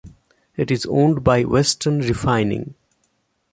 It is owned by Western Refining.